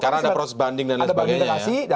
karena ada proses banding dan sebagainya